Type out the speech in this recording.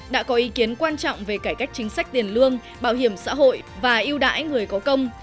đã có ý kiến quan trọng về cải cách chính sách tiền lương bảo hiểm xã hội và yêu đãi người có công